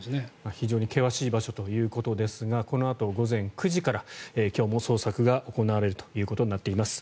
非常に険しい場所ということですがこのあと午前９時から今日も捜索が行われるということになっています。